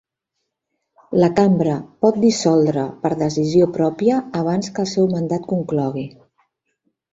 La Cambra pot dissoldre per decisió pròpia abans que el seu mandat conclogui.